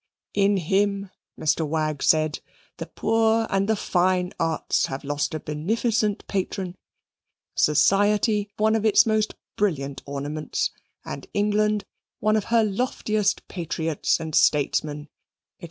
"In him," Mr. Wagg said, "the poor and the Fine Arts have lost a beneficent patron, society one of its most brilliant ornaments, and England one of her loftiest patriots and statesmen," &c.